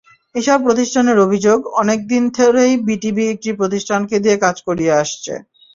এসব প্রতিষ্ঠানের অভিযোগ, অনেক দিন ধরেই বিটিবি একটি প্রতিষ্ঠানকে দিয়ে কাজ করিয়ে আসছে।